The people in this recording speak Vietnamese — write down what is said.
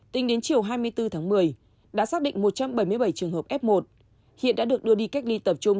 tính đến chiều hai mươi bốn tháng một mươi đã xác định một trăm bảy mươi bảy trường hợp f một hiện đã được đưa đi cách ly tập trung